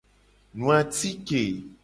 Nu atike.